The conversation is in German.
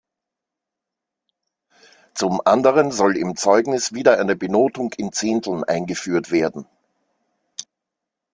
Zum anderen soll im Zeugnis wieder eine Benotung in Zehnteln eingeführt werden.